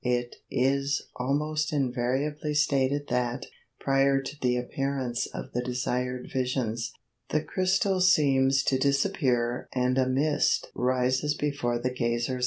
It is almost invariably stated that, prior to the appearance of the desired visions, the crystal seems to disappear and a mist rises before the gazer's eye.